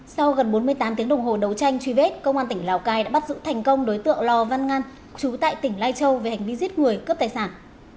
sau gần bốn mươi tám tiếng đồng hồ đấu tranh truy vết công an tỉnh lào cai đã bắt giữ thành công đối tượng lò văn ngan chú tại tỉnh lai châu về hành vi giết người cướp tài sản